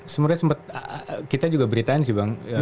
sebenarnya sempat kita juga beritain sih bang